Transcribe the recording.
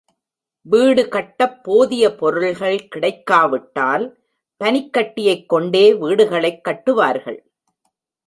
வீடு கட்டப் போதிய பொருள்கள் கிடைக்காவிட்டால், பனிக்கட்டியைக் கொண்டே வீடுகளைக் கட்டுவார்கள்.